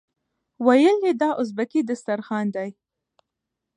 ویل یې دا ازبکي دسترخوان دی.